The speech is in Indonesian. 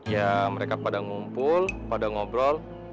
ya mereka pada ngumpul pada ngobrol